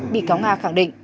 bị cáo nga khẳng định